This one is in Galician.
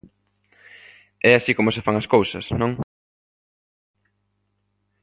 ¿É así como se fan as cousas, non?